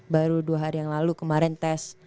baru dua hari yang lalu kemarin tes